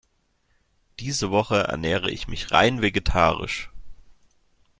Diese Woche ernähre ich mich rein vegetarisch.